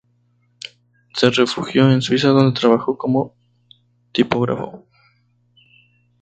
Se refugió en Suiza donde trabajó como tipógrafo.